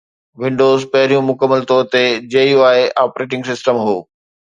windows پهريون مڪمل طور تي GUI آپريٽنگ سسٽم هو